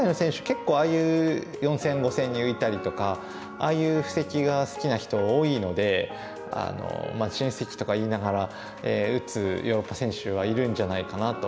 結構ああいう４線５線に浮いたりとかああいう布石が好きな人多いので新布石とか言いながら打つヨーロッパ選手はいるんじゃないかなと思います。